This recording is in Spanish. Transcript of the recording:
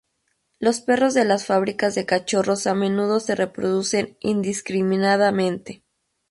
Los perros de las fábricas de cachorros a menudo se reproducen indiscriminadamente.